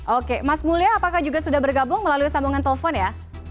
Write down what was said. oke mas mulya apakah juga sudah bergabung melalui sambungan telepon ya